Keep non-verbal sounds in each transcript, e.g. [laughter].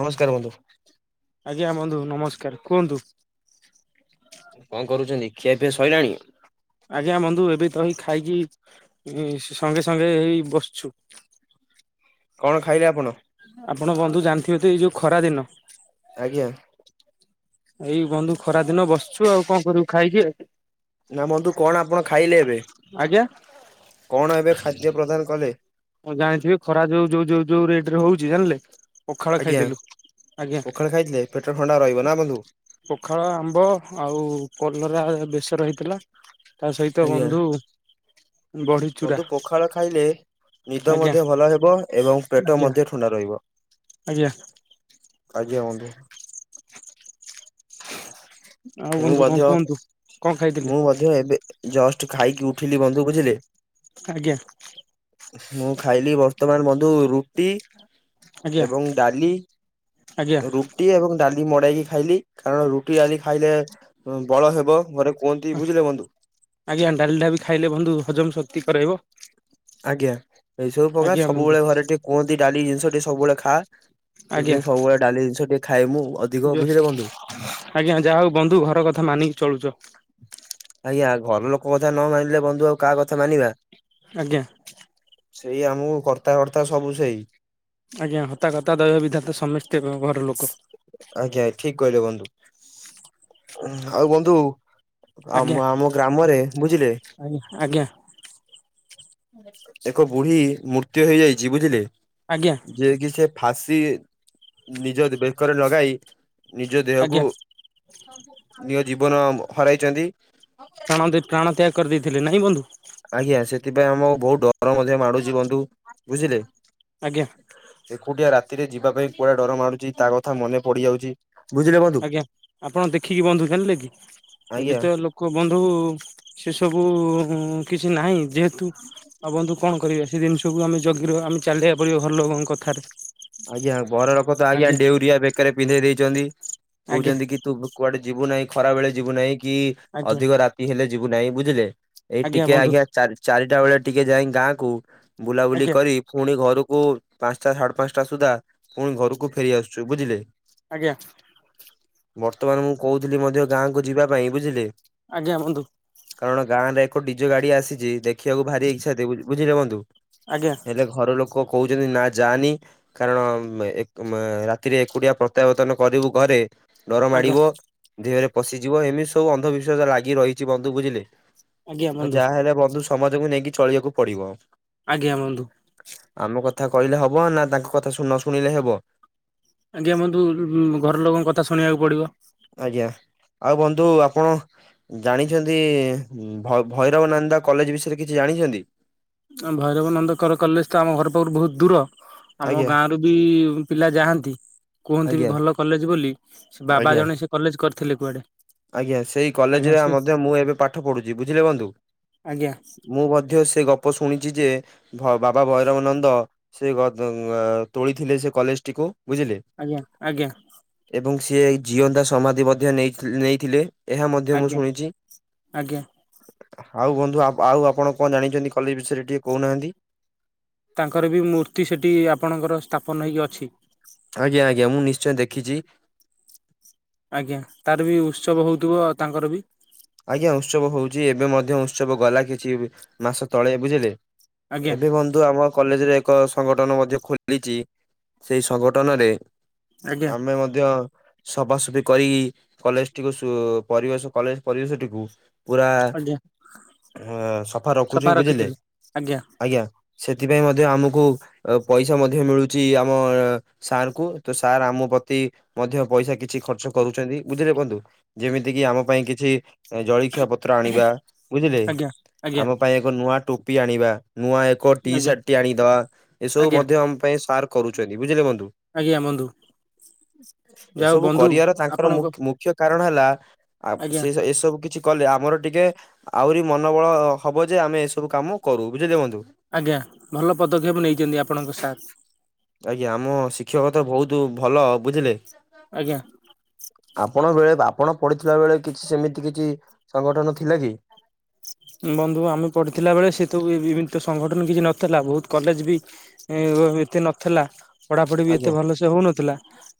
ନମସ୍କାର ବନ୍ଧୁ। ଆଜ୍ଞା ବନ୍ଧୁ ନମସ୍କାର, କୁହନ୍ତୁ? କଣ କରୁଛନ୍ତି ଖିଆପିଆ ସରିଲଣି? ଆଜ୍ଞା ବନ୍ଧୁ ଏବେ ତ ହେଇ ଖାଇକି ସଙ୍ଗେ ସଙ୍ଗେ ହେଇ ବସଛୁ। [inaudible] କଣ ଖାଇଲେ ଆପଣ? ଆପଣ ବନ୍ଧୁ ଜାଣିଥିବେ ତ ଏଇ ଯୋଉ ଖରା ଦିନ। ଆଜ୍ଞା ଏଇ ବନ୍ଧୁ ଖରା ଦିନ ବସିଛୁ ଆଉ କଣ କରିବୁ ଖାଇକି? ନା ବନ୍ଧୁ କଣ ଆପଣ ଖାଇଲେ ଏବେ? ଆଜ୍ଞା କଣ ଏବେ ଖାଦ୍ୟ ପ୍ରଦାନ କଲେ? ମୁଁ ଜାଣିଥିବି ଖରା ଯୋଉ ଯୋଉ ଯୋଉ ଯୋଉ ରେଟ ରେ ହଉଛି ଜାଣିଲେ? ପଖାଳ ଆଜ୍ଞା ଖାଇଦେଲୁ ଆଜ୍ଞା। ପଖାଳ ଖାଇଥିଲେ ପେଟ ଥଣ୍ଡା ରହିବ ନା ବନ୍ଧୁ। ପଖାଳ, ଆମ୍ବ, ଆଉ କଲରା ବେଶର ହେଇଥିଲା। ତା ସହିତ ଆଜ୍ଞା ବନ୍ଧୁ ବଢି ଚୁରା ବନ୍ଧୁ ପୋଖାଳ ଖାଇଲେ ନିଦ ଆଜ୍ଞା ମଧ୍ୟ ଭଲ ହେବ ଏବଂ ପେଟ ଆଜ୍ଞା ମଧ୍ୟ ଥଣ୍ଡା ରହିବ। ଆଜ୍ଞା ଆଜ୍ଞା ବନ୍ଧୁ। ଆଉ ମୁଁ ବନ୍ଧୁ କଣ ମଧ୍ୟ କୁହନ୍ତୁ କଣ ଖାଇଥିଲେ ମୁଁ ମଧ୍ୟ ଏବେ ଜଷ୍ଟ ଖାଇକି ଉଠିଲି ବନ୍ଧୁ ବୁଝିଲେ। ଆଜ୍ଞା। ମୁଁ ଖାଇଲି ବର୍ତ୍ତମାନ ବନ୍ଧୁ ରୁଟି ଆଜ୍ଞା ଏବଂ ଡାଲି ଆଜ୍ଞା ରୁଟି ଏବଂ ଡାଲି ମଡେଇକି ଖାଇଲି। କାରଣ ରୁଟି ଆଦି ଖାଇଲେ ବଳ ହେବ ଘୋରେ ଆଜ୍ଞା ଡାଲିଡା ବି ଖାଇଲେ ବନ୍ଧୁ ହଜମ ଶକ୍ତି କରାଇବ। ଆଜ୍ଞା ଏଇ ସବୁ ପ୍ରକା ଆଜ୍ଞା ବନ୍ଧୁ ସବୁବେଳେ ଘରେ ଟିକେ କୁହନ୍ତି ଡାଲି ଜିନିଷ ଟିକେ ସବୁବେଳେ ଖା ଆଜ୍ଞା ସେନିଷ ସବୁବେଳେ ଡାଲି ଜିନିଷ ଟିକେ ଖାଇଏ ମୁଁ ଅଧିକ ବୁଝିଲେ ବନ୍ଧୁ। ଆଜ୍ଞା ଯାହା ହଉ ବନ୍ଧୁ ଘର କଥା ମାନିକି ଚଳୁଛ। ଆଜ୍ଞା ଘର ଲୋକ କଥା ନ ମାନିଲେ ବନ୍ଧୁ ଆଉ କାହା କଥା ମାନିବା? ଆଜ୍ଞା। ସେଇ ଆମକୁ କର୍ତ୍ତା ହରର୍ତ୍ତା ସବୁ ସେଇ। ଆଜ୍ଞା ହତା କତା ଦୟବିଧାତା ସମସ୍ତେ ଘର ଲୋକ। ଆଜ୍ଞା ଠିକ କହିଲେ ଆଉ ବନ୍ଧୁ ଆମ ଆଜ୍ଞା ଆମ ଗ୍ରାମରେ ବୁଝିଲେ? ଆଜ୍ଞା ଆଜ୍ଞା ଏକ ବୁଢୀ ମୃତ୍ୟୁ ହେଇଯାଇଛି ବୁଝିଲେ ଆଜ୍ଞା ଯିଏ କି ସେ ଫାଶ ନିଜ ବେକରେ ଲଗାଇ ନିଜ ଆଜ୍ଞା ଦେହକୁ ନିଜ ଜୀବନ ହରାଇଛନ୍ତି। ପ୍ରାଣ ପ୍ରାଣ ତ୍ୟାଗ କରିଦେଇଥିଲେ ନାଇଁ ବନ୍ଧୁ? ଆଜ୍ଞା ସେଥିପାଇଁ ଆମ ବହୁତ ଡର ମଧ୍ୟ ମାଡୁଛି ବନ୍ଧୁ ବୁଝିଲେ। ଆଜ୍ଞା ଏକୁଟିଆ ରାତିରେ ଯିବା ପାଇଁ କୁଆଡେ ଡର ମାଡୁଛି ତା କଥା ମନେ ପଡିଯାଉଛି। ବୁଝିଲେ ବନ୍ଧୁ। ଆଜ୍ଞା ଆପଣ ଦେଖିକି ବନ୍ଧୁ ଜାଣିଲେ କି? ଏବେ ଆଜ୍ଞା ତ ଲୋକ ବନ୍ଧୁ ସେ ସବୁ ଉଁ କିଛି ନାହିଁ ଯେହେତୁ ଆଉ ବନ୍ଧୁ କଣ କରିବେ? ସେ ଜିନିଷକୁୁ ଆମେ ଜଗି ର ଆମେ ଚାଲିବାକୁ ପଡିବ ଘଲୋକଙ୍କ କଥାରେ। ଆଜ୍ଞା ବର ରଖ ତ ଆଜ୍ଞା ଡେଉରିଆ ବେକରେ ପିନ୍ଧେଇ ଦେଇଛନ୍ତି। ଆଜ୍ଞା କହୁଛନ୍ତି କି ତୁ କୁଆଡେ ଯିବୁ ନାହିଁ ଖରା ବେଳେ ଯିବୁ ନାହିଁ କି ଆଜ୍ଞା ଅଧିକ ରାତି ହେଲେ ଯିବୁ ନାହିଁ ବୁଝ ବୁଝିଲେ ଏଇ ଟିକେ ଆଜ୍ଞା ଚାରି ଚାରିଟା ବେଳେ ଟିକେ ଯାଇ ଗାଁ କୁ। ବୁଲାବୁଲି ଆଜ୍ଞା କରି ପୁଣି ଘରକୁ ପାଞ୍ଚଟା ସାଢେ଼ ପାଞ୍ଚଟା ସୁଦ୍ଧା ପୁଣି ଘରକୁ ଫେରି ଆସୁଛୁ ବୁଝିଲେ। ଆଜ୍ଞା। ବର୍ତ୍ତମାନ ମୁଁ କହୁଥିଲି ମଧ୍ୟ ଗାଁକୁ ଯିବା ପାଇଁ ବୁଝିଲେ ଆଜ୍ଞା, ବନ୍ଧୁ। କାରଣ ଗାଁରେ ଏକ ଡିଜୋ ଗାଡି ଆସିଛି ଦେଖିବାକୁ ଭାରି ଇଚ୍ଛା ଥି ବୁଝିଲେ ବନ୍ଧୁ। ଆଜ୍ଞା ହେଲେ ଘର ଲୋକ କହୁଛନ୍ତି ନା ଯାନି କାରଣ ଏକ ରାତିରେ ଏକୁଟିଆ ପ୍ରତ୍ୟାବର୍ତ୍ତନ କରିବୁ ଘରେ ଡର ଆଜ୍ଞା ମାଡିବ! ଦେହରେ ପଶିଯିବ! ଏମିତି ସବୁ ଅନ୍ଧବିଶ୍ଵାସ ଲାଗି ରହିଛି ବନ୍ଧୁ ବୁଝିଲେ। ଆଜ୍ଞା ଆ ବନ୍ଧୁ ଯାହାହଲେ ବନ୍ଧୁ ସମାଜକୁ ନେଇକି ଚଳିବାକୁ ପଡିବ। ଆଜ୍ଞା, ବନ୍ଧୁ। ଆମ କଥା କହିଲେ ହବ ନା ତାଙ୍କ କଥା ନ ଶୁଣିଲେ ହବ। ଆଜ୍ଞା, ବନ୍ଧୁ ଘର ଲୋକଙ୍କ କଥା ଶୁଣିବାକୁ ପଡିବ। ଆଜ୍ଞା ଆଉ ବନ୍ଧୁ ଆପଣ ଜାଣିଛନ୍ତି ଭୈରବ ନନ୍ଦା କଲେଜ ବିଷୟରେ କିଛି ଜାଣିଛନ୍ତି? ଆ ଭୈରବ ନନ୍ଦକର୍ କଲେଜ ତ ଆମ ଘର ପାଖରୁ ବହୁତ ଦୂର। ଆମ ଆଜ୍ଞା ଗାଁରୁ ବି ପିଲା ଯାଆନ୍ତି। କୁହନ୍ତିିଭି ଆଜ୍ଞା ଭଲ କଲେଜ ବୋଲି। ସେ ବାବା ଆଜ୍ଞା ଜଣେ ସେ କଲେଜ କରିଥିଲେ କୁଆଡେ। ଆଜ୍ଞା, ସେଇ ଆଜ୍ଞା କଲେଜରେ ଆ ସେ ମଧ୍ୟ ମୁଁ ଏବେ ପାଠ ପଢୁଛି ବୁଝିଲେ ବନ୍ଧୁ। ଆଜ୍ଞା ମୁଁ ମଧ୍ୟ ସେ ଗ ଅପ ଶୁଣିଛି ଯେ ବାବା ଭୈରବ ନନ୍ଦ ସେ ଗଦ୍ ତୋଳିଥିଲେ ସେ କଲେଜଟିକୁ। ବୁଝିଲେ। ଆଜ୍ଞା-ଆଜ୍ଞା। ଏବଂ ସିଏ ଜିଅନ୍ତା ସମାଧି ମଧ୍ୟ ନେଇ ନେଇଥିଲେ। ଏହା ମଧ୍ୟ ମୁଁ ଆଜ୍ଞା ଶୁଣିଛି। ଆଜ୍ଞା ଆଉ ବନ୍ଧୁ ଆଉ ଆଉ ଆପଣ କଣ ଜାଣିଛନ୍ତି କଲେଜ ବିଷୟରେ ଟିକେ କହୁନାହାନ୍ତି? ତାଙ୍କର ବି ମୂର୍ତ୍ତି ସେଠି ଆପଣଙ୍କର ସ୍ଥାପନ ହେଇକି ଅଛି। ଆଜ୍ଞା-ଆଜ୍ଞା ମୁଁ ନିଶ୍ଚୟ ଦେଖିଛି। ଆଜ୍ଞା, ତାର ବି ଉତ୍ସବ ହଉଥିବ ଆଉ ତାଙ୍କର ବି ଯ ଏବେ ମଧ୍ୟ ଉତ୍ସବ ଗଲା କିଛି ମାସ ତଳେ ବୁଝିଲେ ଆଜ୍ଞା ଏବେ ବନ୍ଧୁ ଆମ କଲେଜରେ ଏକ ସଂଗଠନ ମଧ୍ୟ ଖୋଲିଛି। ସେଇ ସଂଗଠନରେ ଆଜ୍ଞା ଆମେ ମଧ୍ୟ ସଫାସଫି କରି କଲେଜଟିକୁ ସୁ ପରିବେଶ କଲେଜ ପରିବେଶଟିକୁ ପୁରା ଆଜ୍ଞା ସଫା ରଖୁଛିୁ ବୁଝିଲେ ଆଜ୍ଞା ସେ ସେଥିପାଇଁ ମଧ୍ୟ ଆମକୁ ପଇସା ମଧ୍ୟ ମିଳୁଛି। ଆମ ସାରଙ୍କୁ ତ ସାର୍ ଆମ ପ୍ରତି ମଧ୍ୟ ପଇସା କିଛି ଖର୍ଚ୍ଚ କରୁଛନ୍ତି। ବୁଝିଲେ ବନ୍ଧୁ। ଯେମିତି କି ଆମ ପାଇଁ କିଛି ଜଳଖିଆ ପତ୍ର ଆଣିବା ବୁଝିଲେ ଆଜ୍ଞା ଆଜ୍ଞା ଆମ ପାଇଁ ଏକ ନୂଆ ଟୋପି ଆଣିବା। ନୂଆ ଏକ ଟି ଆଜ୍ଞା ସାର୍ଟ ଟି ଆଣିଦେବା। ଏସବୁ ଆଜ୍ଞା ମଧ୍ୟ ଆମ ପାଇଁ ସାର କରୁଛନ୍ତି ବୁଝିଲେ ବ ଉ। ଆଜ୍ଞା ବନ୍ଧୁ ଯାଉ ଏସବୁ ବନ୍ଧୁ କରିବାର ତାଙ୍କର ଆପଣଙ୍କ ମୁଖ୍ୟ ମୁଖ୍ୟ କାରଣ ହେଲା ଆଜ୍ଞା ସେ ଏସବୁ କିଛି କଲେ ଆ ଆମର ଟିକେ ଆହୁରି ମନୋବଳ ହବ ଯେ ଆମେ ଏସବୁ କାମ କରୁ। ବୁଝିଲେ ବନ୍ଧୁ। ଆଜ୍ଞା, ଭଲ ପଦକ୍ଷେପ ନେଇଛନ୍ତି ଆପଣଙ୍କ ସାର୍। ଶିକ୍ଷକତା ବହୁତ ଭଲ ବୁଝିଲେ ଆଜ୍ଞା। ଆପଣ ବେଳେ ଆପଣ ପଡିଥିବା ବେଳେ କିଛି ସେମିତି କିଛି ସଂଗଠନ ଥିଲା କି? ବନ୍ଧୁ ଆମେ ପଢିଥିଲା ବେଳେ ସେ ଇ ତ ସଂଗଠନ କିଛି ନଥିଲା ବହୁତ କଲେଜ ବି ଏତେ ନଥେଲା। ପଢାପଢି ବି ଏତେ ଆଜ୍ଞା ଭଲସ ହଉନଥିଲା।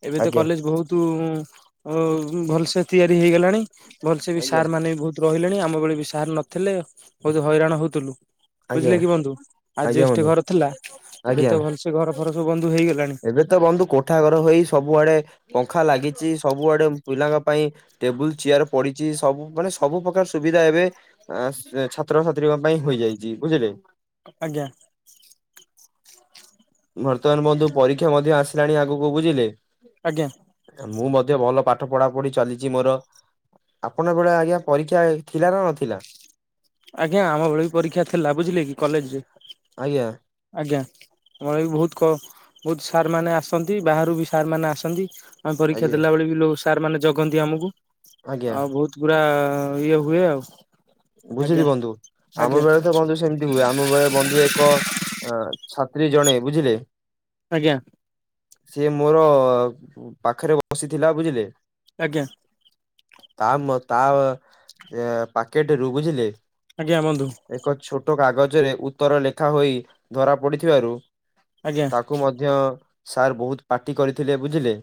ଏବେ ତ ଆଜ୍ଞା କଲେଜ ବହୁତ ଅ-ଅ ଭଲସେ ତିଆରି ହେଇଗଲାଣି। ଭଲସେ ବି ଆଜ୍ଞା ସାର୍ ମାନେ ବି ବହୁତ ରହିଲେଣି। ଆମ ଭଳେ ବି ସାର୍ ନ ଥିଲେ ବହୁତ ହଇରାଣ ହଉଥିଲୁ। ଆଜ୍ଞା ବୁଝିଲେ କି ବନ୍ଧୁ। ଆଜ୍ଞା ଆଜ୍ବେଷ୍ଟ ବନ୍ଧୁ ଘର ଥିଲା। ଏବେ ଆଜ୍ଞା, ତ ଭଲସେ ଘର ଫର ସବୁ ବନ୍ଧୁ ହେଇଗଲାଣି ଏବେ ତ ବନ୍ଧୁ କୋଠା ଘର ହେଇ ସବୁଆଡେ ପଙ୍ଖା ଲାଗିଛି। ଚି ସବୁଆଡେ ପିଲାଙ୍କ ପାଇଁ ଟେବୁଲ ଚେୟାର ପଡିଛି ସବୁ ମାନେ ସବୁ ପ୍ରକାର ସୁବିଧା ଏବେ ଆ ଷ୍ଟ୍ରେ ଛାତ୍ରଛାତ୍ରୀଙ୍କ ପାଇଁ ହେଇଯାଇଛି ବୁଝିଲେ? ଆଜ୍ଞା। ବର୍ତ୍ତମାନ ବନ୍ଧୁ ପରୀକ୍ଷା ମଧ୍ୟ ଆସିଲାଣି ଆଗକୁ ବୁଝିଲେ? ଆଜ୍ଞା। ମୁଁ ମଧ୍ୟ ଭଲ ପାଠ ପଢା ପଢି ଚାଲିଛି ମୋର ଆପଣବେଳେ ଆଜ୍ଞା ପରୀକ୍ଷା ଥିଲା ନା ନଥିଲା? ଆଜ୍ଞା ଆମ ବେଳେ ବି ପରୀକ୍ଷା ଥିଲା ବୁଝିଲେ କି କଲେଜରେ ଆଜ୍ଞା। ଆଜ୍ଞା ଆମର ବି ବହୁତ କ ବହୁତ ସାରମାନେ ଆସନ୍ତି ବାହାରୁ ବି ସାରମାନେ ଆସନ୍ତି। ଆମେ ପରୀକ୍ଷା ଆଜ୍ଞା ଦେଲା ବେଳେ ବି ଲୋ ସାର୍ ମାନେ ଜଗନ୍ତି ଆମକୁ ଆଜ୍ଞା ଆଉ ବହୁତ ପୁରା ହଁ ଇଏ ହୁଏ ଆଉ। ଆଜ୍ଞା ବୁଝିଲି ବନ୍ଧୁ ଆମ ଆଜ୍ଞା ବେଳେ ତ ବନ୍ଧୁ ସେମିତି ହୁଏ ଆମ ବେଳେ ବନ୍ଧୁ ଏକ ଅ ଛାତ୍ରୀ ଜଣେ ବୁଝିଲେ? ଆଜ୍ଞା। ସିଏ ମୋର ପାଖରେ ବସିଥିଲା ବୁଝିଲେ। ଆଜ୍ଞା। ତା ମ ତା ଏ ପାକେଟରୁ ବୁଝିଲେ? ଆଜ୍ଞା ବଧୁ। ଏକ ଛୋଟ କାଗଜରେ ଉତ୍ତର ଲେଖା ହୋଇ ଧରା ପଡିଥିବାରୁ ଆଜ୍ଞା ତାକୁ ମଧ୍ୟ ସାର୍ ବହୁତ ପାଟି କରିଥିଲେ ବୁଝିଲେ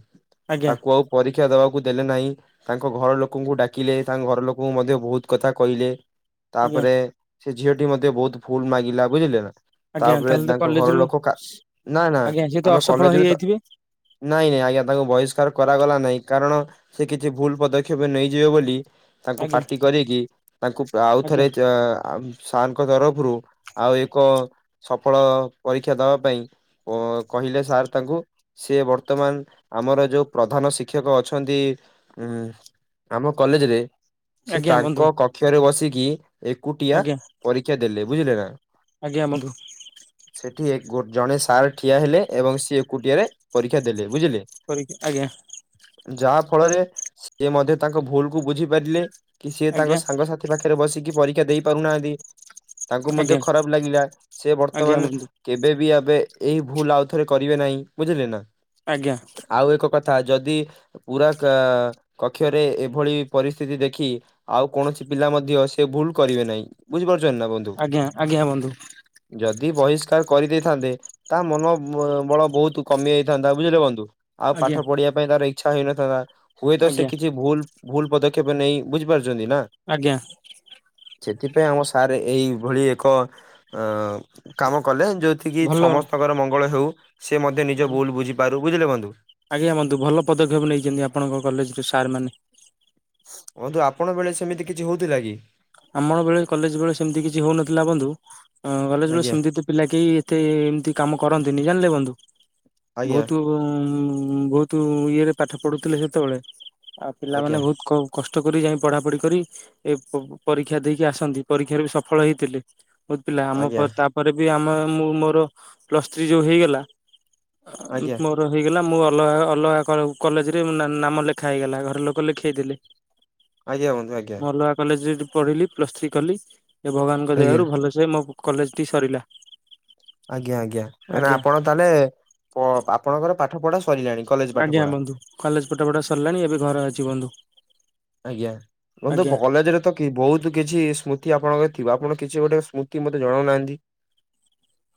ଆଜ୍ଞା ତାକୁ ଆଉ ପରି ଶିକ୍ଷା ଦେବାକୁ ଦେଲେ ନାହିଁ ତାଙ୍କ ଘର ଲୋକଙ୍କୁ ଡାକିଲେ ତାଙ୍କ ଘର ଲୋକଙ୍କୁ ମଧ୍ୟ ବହୁତ କଥା କହିଲେ। ଆଜ୍ଞା ତାପରେ ସେ ଝିଅଟି ମଧ୍ୟ ବହୁତ ଭୁଲ ମାଗିଲା ବୁଝିଲେ ନା? ଆଜ୍ଞା ତାପରେ ତାହେଲେ ତ ତାଙ୍କ ଘର କଲେଜରୁ ଲୋକ କା ନା ନା ଆଜ୍ଞା ସିଏ ତ ଆମେ ଅସଫଳ କଲେଜରୁ ହେଇଯାଇଥିବେ ନାଇଁ ନାଇଁ ଆଜ୍ଞା ତାଙ୍କୁ ବହିଷ୍କାର କରାଗଲା ନାହିଁ କାରଣ ସେ କିଛି ଭୁଲ ପଦକ୍ଷେପ ନେଇଯିବେ ବୋଲି ତାଙ୍କୁ ଆଜ୍ଞା ପାଟି କରିକି ତାଙ୍କୁ ଆଉ ଆଜ୍ଞା ଥରେ ଚା ସାର୍ ଙ୍କ ତରଫରୁ ଆଉ ଏକ ସଫଳ ପରୀକ୍ଷା ଦବା ପାଇଁ କହିଲେ ସାର୍ ତାଙ୍କୁ ସିଏ ବର୍ତ୍ତମାନ ଆମର ଯୋଉ ପ୍ରଧାନ ଶିକ୍ଷକ ଅଛନ୍ତି ଉ ଆମ କଲେଜ ରେ ଆଜ୍ଞା ବନ୍ଧୁ। କକ୍ଷରେ ବସିକି ଏକୁଟିଆ ଆଜ୍ଞା ପରୀକ୍ଷା ଦେଲେ ବୁଝିଲେ ନା ଆଜ୍ଞା ବନ୍ଧୁ ସେଠି ଏକ ଜଣେ ସାର୍ ଠିଆ ହେଲେ ଏବଂ ସିଏ ଏକୁଟିଆରେ ପରୀକ୍ଷା ଦେଲେ। ବୁଝିଲେ କରିକି ଆଜ୍ଞା। ଯାହା ଫଳରେ ସିଏ ମଧ୍ୟ ତାଙ୍କ ଭୁଲ କୁ ବୁଝି ପାରିଲେ କିଛି ତାଙ୍କ ଆଜ୍ଞା ସାଙ୍ଗସାଥି ପାଖରେ ବସିକି ପରୀକ୍ଷା ଦେଇ ପାରୁନାହାନ୍ତି ତାଙ୍କୁ ମଧ୍ୟ ଆଜ୍ଞା ଖରାପ ଲାଗିଲା ସେ ଆଜ୍ଞା ବର୍ତ୍ତମାନ ବନ୍ଧୁ କେବେବି ଏବେ ଏଇ ଭୁଲ ଆଉ ଥରେ କରିବେ ନାହିଁ ବୁଝିଲେ ନା ଆଜ୍ଞା ଆଉ ଏକ କଥା ଥା ଯଦି ପୁରା କକ୍ଷରେ ଏଭଳି ପରିସ୍ଥିତି ଦେଖି ଆଉ କୌଣସି ପିଲା ମଧ୍ୟ ସେ ଭୁଲ କରିବେ ନାହିଁ ବୁଝିପାରୁ ଆଜ୍ଞା ଆଜ୍ଞା ବନ୍ଧୁ। ଯଦି ବହିଷ୍କାର କରିଦେଇଥାନ୍ତେ ତା ମନ ବଳ ବହୁତ କମି ଯାଇଥାନ୍ତା ବୁଝିଲେ ବନ୍ଧୁ। ଆଉ ଆଜ୍ଞା ପାଠ ପଢିବା ପାଇଁ ତାର ଇଚ୍ଛା ହେଇନଥାନ୍ତା ହୁଏତ ସେ ଆଜ୍ଞା କିଛି ଭୁଲ ଭୁଲ ପଦ କେବେ ନେଇ ବୁଝିପାରୁଛନ୍ତି ନା ଆଜ୍ଞା ସେଥିପାଇଁ ଆମ ସାର୍ ଏଇଭଳି ଏକ ଅ କାମ କଲେ ଯେଉଁଠି କିି ସମସ୍ତଙ୍କର ମଙ୍ଗଳ ହେଉ ସେ ମଧ୍ୟ ନିଜ ଭଲ ଭୁଲ ବୁଝିପାରୁ ବୁଝିଲେ ବନ୍ଧୁ? ଆଜ୍ଞା ବନ୍ଧୁ ଭଲ ପଦକ୍ଷେପ ନେଇଛନ୍ତି ଆପଣଙ୍କ କଲେଜରେ ସାରମାନେ ବନ୍ଧୁ ଆପଣ ବେଳେ ସେମିତି କିଛି ହଉଥିଲା କି? ଆମ ବେଳେ କଲେଜ ବେଳେ ସେମିତି କିଛି ହଉନଥିଲା ବନ୍ଧୁ କଲେଜ ବେଳେ ଆଜ୍ଞା ସେମତି ତ ପିଲା କେହି ଏତେ ଏମିତି କାମ କରନ୍ତି ନି ଜାଣିଲେ ବନ୍ଧୁ। ଆଜ୍ଞା ବହୁତୁ ବହୁତୁ ଇଏରେ ପାଠ ପଢୁଥିଲେ ସେତେବେଳେ ଆଉ ଆଜ୍ଞା ପିଲାମାନେ ବହୁତୁ କଷ୍ଟ କରି ଯାଇ ପଢା ପଢି କରି ଏ ପରୀକ୍ଷା ଦେଇକି ଆସନ୍ତି ପରୀକ୍ଷାରେ ବି ସଫଳ ହେଇଥିଲେ ବହୁତୁ ପିଲା ଆମ ଆଜ୍ଞା ତାପରେ ବି ଆମ ମୁଁ ମୋର ପ୍ଲସ ଥ୍ରି ଯୋଉ ହେଇଗଲା। ଆଜ୍ଞା ମୋର ହେଇଗଲା ମୋ ଅଲଗା ଅଲଗା କ କଲେଜରେ ନାଁ ନାମ ଲେଖା ହେଇଗଲା ଘରେ ଲୋକ ଲେଖେଇଦେଲେ। ଆଜ୍ଞା ବନ୍ଧୁ ଆଜ୍ଞା। ମୁଁ ଅଲଗା କଲେଜରେ ପଢିଲି ପ୍ଲସ ଥ୍ରୀ କଲି। ଏ ଭଗବାନଙ୍କ ଆଜ୍ଞା ଦୟାରୁ ଭଲସେ ମୋ କଲେଜଟି ସରିଲା। ଆଜ୍ଞା ଆଜ୍ଞା ନା ଆଜ୍ଞା ଆପଣ ତାହେଲେ ପ ଆପଣଙ୍କର ପାଠ ପଢା ସରିଲାଣି କଲେଜ ପାଠ ଆଜ୍ଞା ପଢା ବନ୍ଧୁ କଲେଜ ପାଠ ପଢ଼ା ସରିଲାଣି ଏବେ ଘର ଅଛି ବନ୍ଧୁ। ଆଜ୍ଞା ବନ୍ଧୁ ଆଜ୍ଞା କଲେଜରେ କି ବହୁତୁ କିଛି ସ୍ମୃତି ଆପଣଙ୍କ ଥିବ ଆପଣ କିଛି ଗୋଟେ ସ୍ମୃତି ମୋତେ ଜଣାଉନାହାନ୍ତି।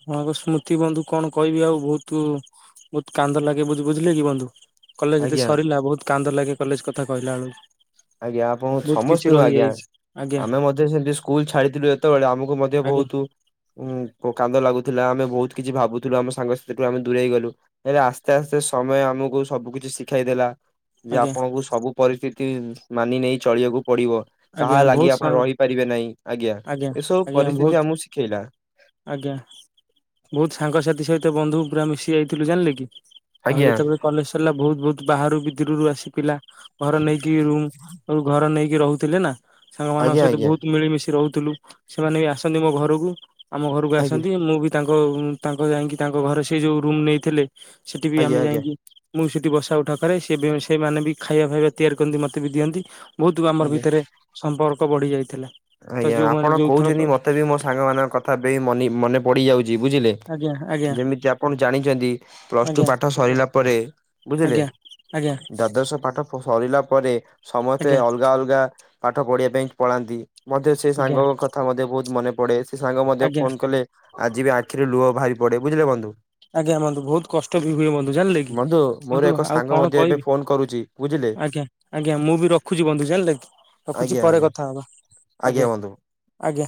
ହଁ ଏକ ସ୍ମୃତି ବନ୍ଧୁ କଣ କହିବି ଆଉ ବହୁତୁ ବହୁତ କାନ୍ଦ ଲାଗେ ବୁଝି ବୁଝିଲେ କି ବନ୍ଧୁ କଲେଜ ଯଦି ଆଜ୍ଞା ସରିଲା ବହୁତ କାନ୍ଦ ଲାଗେ କଲେଜ କଥା କହିଲା ବେଳକୁ। ଆଜ୍ଞା ଆପଣ ବହୁତ କିଛି ସମସ୍ତଙ୍କୁ ଆଜ୍ଞା ରହିଯାଇଛି। ଆଜ୍ଞା ଆମେ ମଧ୍ୟ ସେମିତି ସ୍କୁଲ ଛାଡିଥିଲୁ ଯେତେବେଳେ ଆମକୁ ମଧ୍ୟ ଆଜ୍ଞା ବହୁତୁ ଉ କାନ୍ଦ ଲାଗୁ ଥିଲା ଆମେ ବହୁତ କିଛି ଭାବୁଥିଲୁ ଆମ ସାଙ୍ଗସାଥି ଠୁ ଆମେ ଦୂରେଇ ଗଲୁ ହେଲେ ଆସ୍ତେ ଆସ୍ତେ ସମୟ ଆମକୁ ସବୁ କିଛି ଶିଖାଇ ଦେଲା ଯେ ଆଜ୍ଞା ଆପଣଙ୍କୁ ସବୁ ପରିସ୍ଥିତି ମାନି ନେଇ ଚଳିବାକୁ ପଡିବ କାହା ଆଜ୍ଞା ଲାଗି ବହୁତ ଆପଣ ସାଙ୍ଗ ରହିପାରିବେ ନାହିଁ ଆଜ୍ଞା ଏସବୁ ଆଜ୍ଞା ପରିସ୍ଥିତି ବହୁତ ଆମକୁ ଶିଖେଇଲା। ଆଜ୍ଞା ବହୁତ ସାଙ୍ଗସାଥି ସହିତ ତେ ବନ୍ଧୁ ପୁରା ମିଶି ଯାଇଥିଲୁ ଜାଣିଲେ କି ଆଉ ଆଜ୍ଞା ଯେତେବେଳେ କଲେଜ ସରିଲା ବହୁତୁ ବହୁତୁ ବାହାରୁ ବିଦୂରରୁ ଆସି ପିଲା ଘର ନେଇକି ରୁମ ଆଉ ଘର ନେଇକି ରହୁଥିଲେ ନା ସାଙ୍ଗ ମାନଙ୍କ ଆଜ୍ଞା ସହିତ ଆଜ୍ଞା ବହୁତ ମିଳିମିଶି ରହୁଥିଲୁ ସେମାନେ ବି ଆସନ୍ତି ମୋ ଘରକୁ। ଆମ ଘରକୁ ଆଜ୍ଞା ଆସନ୍ତି ମୁଁ ବି ତାଙ୍କ ତାଙ୍କ ଯାଇକି ତାଙ୍କ ଘରେ ସେ ଯୋଉ ରୁମ୍ ନେଇଥିଲେ ସେଠି ବି ଆଜ୍ଞା ଆମେ ଆଜ୍ଞା। ଯାଇକି ମୁଁ ସେଠି ବସା ଉଠା କରେ ସେବି ସେମାନେ ବି ଖାଇବା ଫାଇବା ତିଆରି କରନ୍ତି ମତେ ବି ଦିଅନ୍ତି ବହୁତ ଆମର ବି ଆଜ୍ଞା ଏଥିରେ ସମ୍ପର୍କ ବଢି ଯାଇଥିଲା। ତ ଆଜ୍ଞା ଯୋଉମାନେ ଆପଣ ଯୋଉଥରକ କହୁଛନ୍ତି ମତେ ବି ମୋ ସାଙ୍ଗ ମାନଙ୍କ କଥା ଏବେ ମନି ମନେ ପଡି ଯାଉଛି। ଯି ବୁଝିଲେ? ଆଜ୍ଞା ଆଜ୍ଞା ଯେମିତି ଆପଣ ଜାଣିଛନ୍ତି ପ୍ଲସ ଟୁ ଆଜ୍ଞା ପାଠ ସରିଲା ପରେ ବୁଝିଲେ? ଆଜ୍ଞା ଆଜ୍ଞା ଦାଦର୍ଶ ପାଠ ଫ୍ ସରିଲା ପରେ ସମସ୍ତେ ଆଜ୍ଞା ଅଲଗା ଅଲଗା ପାଠ ପଢିବା ପାଇଁ ପଳାନ୍ତି। ମଧ୍ୟ ସେ ଆଜ୍ଞା ସାଙ୍ଗଙ୍କ କଥା ମଧ୍ୟ ବହୁତ ମନେ ପଡେ ସେ ସାଙ୍ଗ ମଧ୍ୟ ଆଜ୍ଞା ଫୋନ କଲେ ଆଜି ବି ଖିରେ ଲୁହ ବାହାରି ପଡେ ବୁଝିଲେ ବନ୍ଧୁ। ଆଜ୍ଞା ବନ୍ଧୁ ବହୁତ କଷ୍ଟ ବି ହୁଏ ବନ୍ଧୁ ଜାଣିଲେ କି ବନ୍ଧୁ ମୋର ବନ୍ଧୁ ଏକ ଆଉ ସାଙ୍ଗ କଣ ମଧ୍ୟ ଏବେ କହିବି? ଫୋନ କରୁଛି ବୁଝିଲେ ଆଜ୍ଞା ଆଜ୍ଞା ମୁଁ ବି ରଖୁଛି ବନ୍ଧୁ ଜାଣିଲ ରଖୁଛି ଆଜ୍ଞା ପରେ ଆଜ୍ଞା କଥା ହବା। ଆଜ୍ଞା ବନ୍ଧୁ। ଆଜ୍ଞା।